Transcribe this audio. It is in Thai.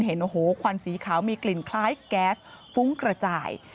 เห็นโอ้โหควันสีขาวมีกลิ่นคล้ายแก๊สฟุ้งกระจาย